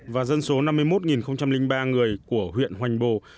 và dân số năm mươi một ba người của huyện hoành bồ